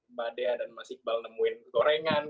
mbak dea dan mas iqbal nemuin gorengan